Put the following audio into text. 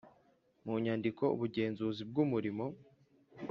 mu nyandiko ubugenzuzi bw umurimo